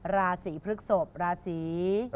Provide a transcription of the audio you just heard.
ราศีพฤกษพราศีกุ้ง